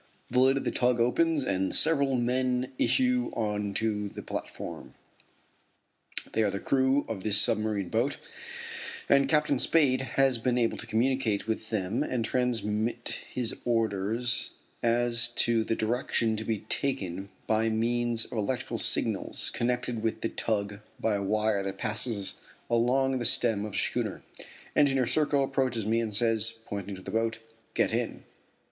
The lid of the tug opens and several men issue on to the platform. They are the crew of this submarine boat, and Captain Spade has been able to communicate with them and transmit his orders as to the direction to be taken by means of electric signals connected with the tug by a wire that passes along the stem of the schooner. Engineer Serko approaches me and says, pointing to the boat: "Get in."